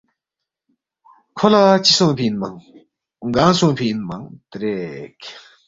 کھو لہ چِہ سونگفی اِنمنگ، گانگ سونگفی اِنمنگ تریک